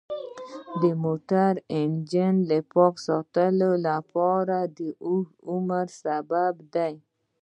د موټر انجن پاک ساتل د اوږد عمر سبب دی.